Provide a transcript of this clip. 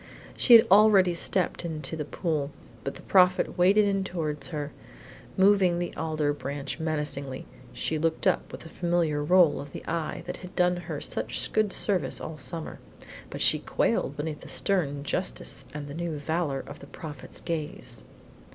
She had already stepped into the pool, but the Prophet waded in towards her, moving the alder branch menacingly. She looked up with the familiar roll of the eye that had done her such good service all summer, but she quailed beneath the stern justice and the new valor of the Prophet's gaze.